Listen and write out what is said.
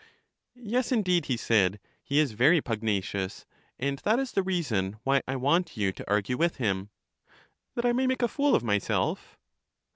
Yes, indeed, he said; he is very pugnacious, and that is the reason why I want you to argue with him. That I may make a fool of myself?